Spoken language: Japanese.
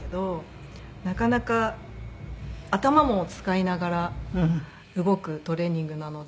なかなか頭も使いながら動くトレーニングなので。